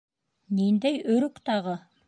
— Ниндәй өрөк тағы?